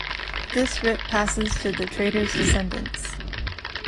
This writ passes to the Trader's descendants.